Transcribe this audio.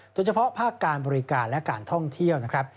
โดยเฉพาะภาคการบริการและการท่องเที่ยวนะครับ